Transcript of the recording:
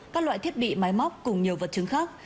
các loại thiết bị máy móc cùng nhiều vật chứng khác